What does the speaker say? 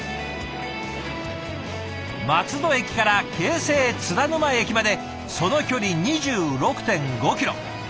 松戸駅から京成津田沼駅までその距離２６．５キロ。